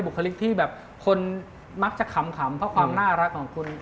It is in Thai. คลิกที่แบบคนมักจะขำเพราะความน่ารักของคุณ